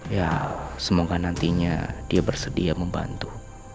ya semoga nantinya dia bersedia membantu